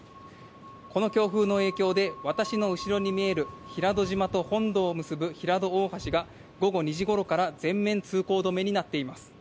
この強風の影響で、私の後ろに見える平戸島と本土を結ぶ平戸大橋が、午後２時ごろから全面通行止めになっています。